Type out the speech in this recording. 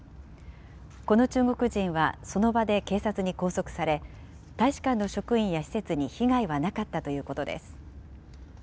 この中国人はその場で警察に拘束され、大使館の職員や施設に被害はなかったということです。